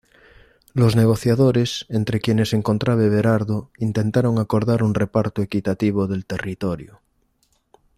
Los negociadores, entre quienes se encontraba Everardo, intentaron acordar un reparto equitativo del territorio.